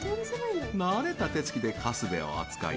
慣れた手付きでカスベを扱い